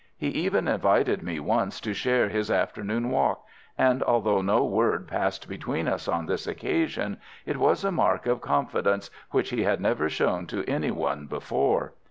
He even invited me once to share his afternoon walk, and although no word passed between us on this occasion, it was a mark of confidence which he had never shown to any one before.